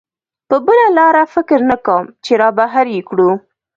په بله لاره فکر نه کوم چې را بهر یې کړو.